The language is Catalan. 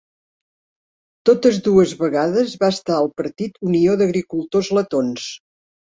Totes dues vegades va estar al partit Unió d'Agricultors Letons.